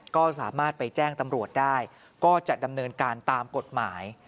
ก็สามารถไปแจ้งตำรวจได้ก็จะดำเนินการตามกฎหมาย